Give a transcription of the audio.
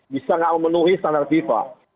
bisa nggak memenuhi standar fifa